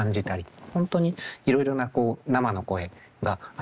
本当にいろいろな生の声が集まって。